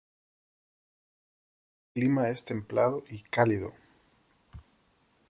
El clima es templado y cálido.